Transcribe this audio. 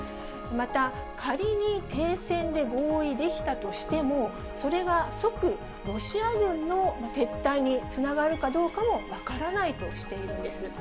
また、仮に停戦で合意できたとしても、それが即、ロシア軍の撤退につながるかどうかも分からないとしているんです。